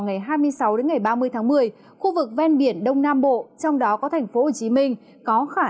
ngày hai mươi sáu đến ngày ba mươi tháng một mươi khu vực ven biển đông nam bộ trong đó có thành phố hồ chí minh có khả